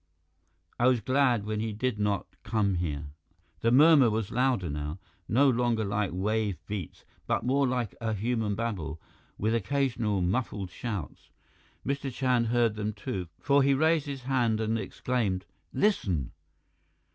I was glad when he did not come here " The murmur was louder now, no longer like wave beats, but more a human babble, with occasional muffled shouts. Mr. Chand heard them, too, for he raised his hand and exclaimed: "Listen!"